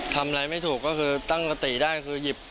ทำอะไรไม่ถูกก็คือตั้งสติได้คือหยิบ